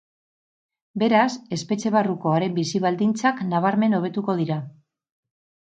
Beraz, espetxe barruko haren bizi baldintzak nabarmen hobetuko dira.